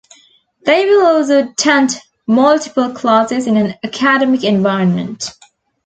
They will also attend multiple classes in an academic environment.